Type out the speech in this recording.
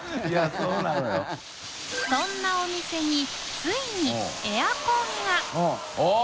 そんなお店についにエアコンがおぉ！